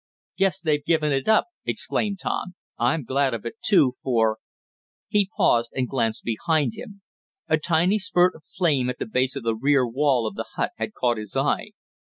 "Guess they've given it up," exclaimed Tom. "I'm glad of it, too, for " He paused and glanced behind him. A tiny spurt of flame at the base of the rear wall of the hut had caught his eye.